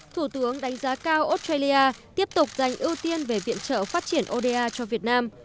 thủ tướng đánh giá cao australia tiếp tục dành ưu tiên về viện trợ phát triển oda cho việt nam